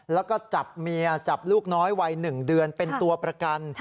แล้วก็จับเมียจับลูกน้อยวัย๑เดือนเป็นตัวประกัน